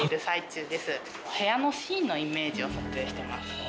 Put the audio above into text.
部屋のシーンのイメージを撮影してます。